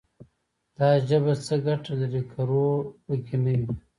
دا ژبه څه ګټه لري، که روح پکې نه وي»